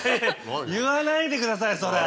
言わないでくださいよそれ。